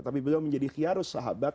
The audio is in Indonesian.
tapi belum menjadi khiarus sahabat